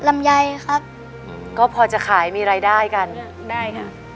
ลำไยครับก็พอจะขายมีรายได้กันได้ค่ะ